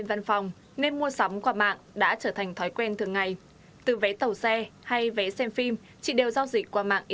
thì đôi lúc thì sẽ tìm được những cái vé xem phim ưng ý